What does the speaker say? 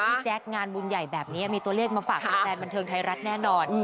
แจ๊คงานบุญใหญ่แบบนี้มีตัวเลขมาฝากแฟนบันเทิงไทยรัฐแน่นอน